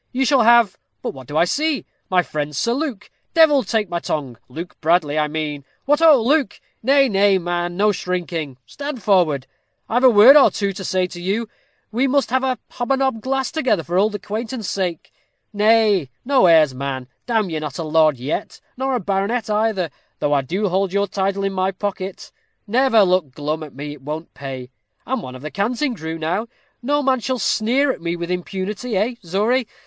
"You shall have but what do I see, my friend Sir Luke? Devil take my tongue, Luke Bradley, I mean. What, ho! Luke nay, nay, man, no shrinking stand forward; I've a word or two to say to you. We must have a hob a nob glass together for old acquaintance sake. Nay, no airs, man; damme you're not a lord yet, nor a baronet either, though I do hold your title in my pocket; never look glum at me. It won't pay. I'm one of the Canting Crew now; no man shall sneer at me with impunity, eh, Zory?